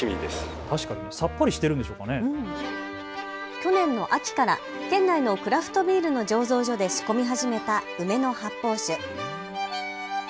去年の秋から県内のクラフトビールの醸造所で仕込み始めた梅の発泡酒。